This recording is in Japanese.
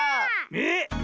えっ⁉